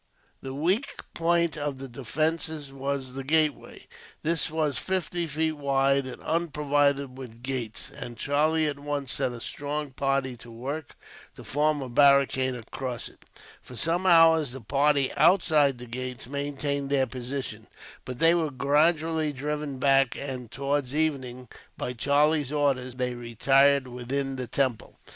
The weak point of the defences was the gateway. This was fifty feet wide, and unprovided with gates; and Charlie at once set a strong party to work, to form a barricade across it. For some hours, the party outside the gates maintained their position, but they were gradually driven back; and towards evening, by Charlie's orders, they retired within the temple.